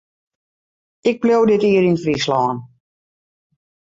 Ik bliuw dit jier yn Fryslân.